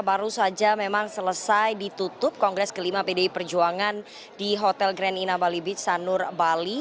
baru saja memang selesai ditutup kongres kelima pdi perjuangan di hotel grand ina balibit sanur bali